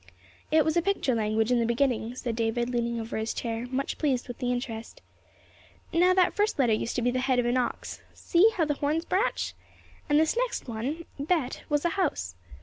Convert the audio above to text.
"It was a picture language in the beginning," said David, leaning over his chair, much pleased with his interest. "Now, that first letter used to be the head of an ox. See how the horns branch? And this next one, Beth, was a house.